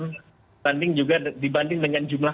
dibanding juga dibanding dengan jumlah